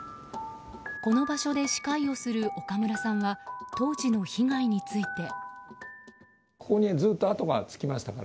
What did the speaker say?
この場所で歯科医をする岡村さんは当時の被害について。